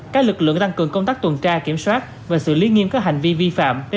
các lực lượng tăng cường công tác tuần tra kiểm soát và xử lý nghiêm các hành vi vi phạm